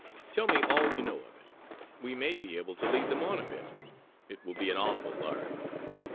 "Tell me all you know of it. We may be able to lead them on a bit. It will be an awful lark!"